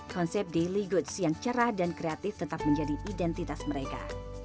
konsep daily goods yang cerah dan kreatif tetap menjadi identitas mereka